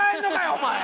お前。